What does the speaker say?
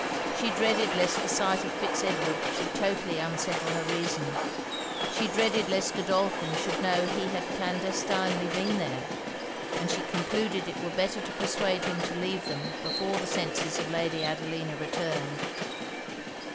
She dreaded lest the sight of Fitz Edward should totally unsettle her reason. She dreaded lest Godolphin should know he had clandestinely been there; and she concluded it were better to persuade him to leave them before the senses of Lady Adelina returned.